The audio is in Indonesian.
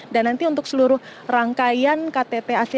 dan nanti untuk seluruh rangkaian ktt asean